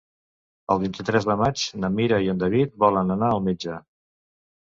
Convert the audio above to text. El vint-i-tres de maig na Mira i en David volen anar al metge.